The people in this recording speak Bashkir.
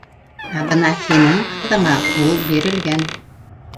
Ә бына һинең ҡыҙыңа ул бирелгән!